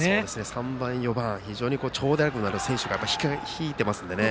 ３番、４番と長打力のある選手が控えていますので。